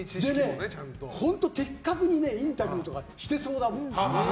本当、的確にインタビューとかしてそうだもん。